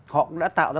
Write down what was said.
họ cũng đã tạo ra